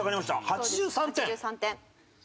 ８３点。